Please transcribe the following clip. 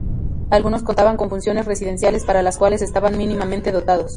Algunos contaban con funciones residenciales, para las cuales estaban mínimamente dotados.